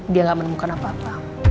dia gak menemukan apa apa